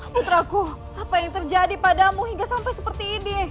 putraku apa yang terjadi padamu hingga sampai seperti ini